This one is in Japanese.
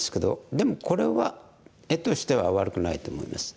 でもこれは絵としては悪くないと思います。